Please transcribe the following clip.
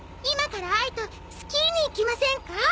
今からあいとスキーに行きませんか？